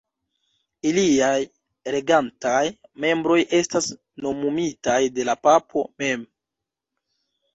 Iliaj regantaj membroj estas nomumitaj de la papo mem.